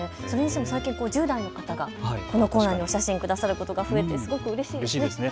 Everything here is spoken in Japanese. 最近１０代の方がこのコーナーにお写真くださることが増えてすごくうれしいですね。